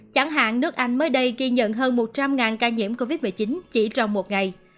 chẳng hạn nước anh mới đây ghi nhận hơn một trăm linh ca nhiễm covid một mươi chín chỉ trong một ngày